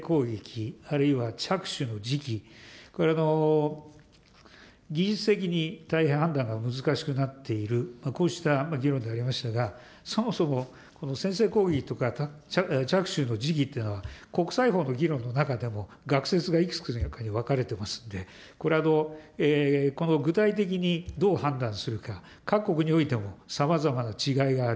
まず今の議論で、先制攻撃、あるいは着手の時期、技術的に大変判断が難しくなっている、こうした議論でありましたが、そもそも先制攻撃とか着手の時期っていうのは、国際法の議論の中でも、学説がいくつかに分かれておりますので、具体的にどう判断するか、各国においてもさまざまな違いがある。